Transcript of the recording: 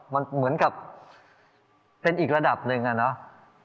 มันเหมือนกับเป็นอีกระดับหนึ่งอะเนาะ